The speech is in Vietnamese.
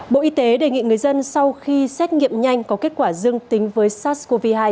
bộ y tế đề nghị người dân sau khi xét nghiệm nhanh có kết quả dương tính với sars cov hai